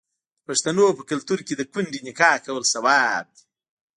د پښتنو په کلتور کې د کونډې نکاح کول ثواب دی.